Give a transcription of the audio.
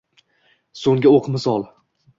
soʼnggi oʼq misol